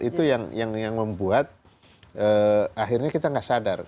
itu yang membuat akhirnya kita nggak sadar